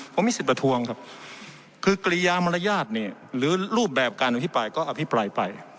ผมมีสิทธิประท้วงครับคือกริยามารยาทเนี่ยหรือรูปแบบการอภิปรายก็อภิปรายไป